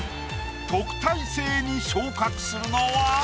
特待生に昇格するのは？